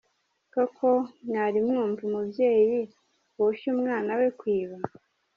Koko mwari mwumva umubyeyi woshya umwana we kwiba ?